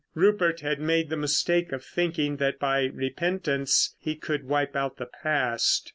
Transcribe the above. Rupert had made the mistake of thinking that by repentance he could wipe out the past.